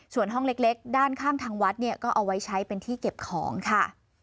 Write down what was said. ส่วนห้องเล็กด้านข้างทางวัดเนี่ยก็เอาไว้ใช้เป็นที่เก็บของค่ะ